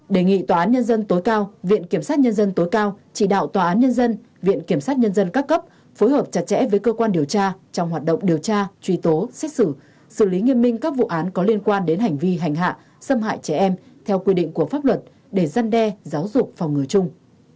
đề nghị tòa án nhân dân tối cao viện kiểm sát nhân dân tối cao chỉ đạo tòa án nhân dân viện kiểm sát nhân dân các cấp phối hợp chặt chẽ với cơ quan điều tra trong hoạt động điều tra truy tố xét xử xử lý nghiêm minh các vụ án có liên quan đến hành vi hành hạ xâm hại trẻ em theo quy định của pháp luật để giăn đe giáo dục phòng ngừa chung